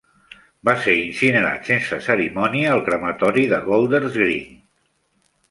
Va ser incinerat sense cerimònia al crematori de Golders Green.